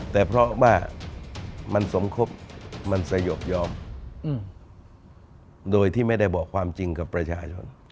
แต่เพราะว่ามันสมคบมันสยบยอมโดยที่ไม่ได้บอกความจริงกับประชาชน